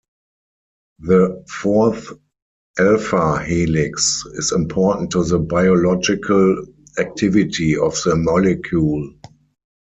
The fourth alpha-helix is important to the biological activity of the molecule.